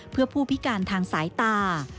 เพื่อผู้พิการทางสายตา